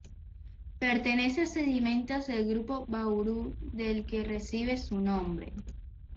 Pertenece a sedimentos del Grupo Bauru del que recibe su nombre.